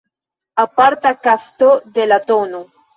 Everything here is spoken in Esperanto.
Aparta kasto de la tn.